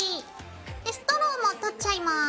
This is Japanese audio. ストローも取っちゃいます。